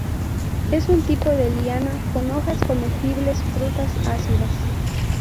Es un tipo de liana con hojas comestibles, frutas ácidas.